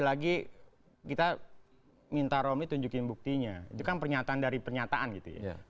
lagi kita minta romitunjukin buktinya juga pernyataan dari perusahaan yang diambil oleh pak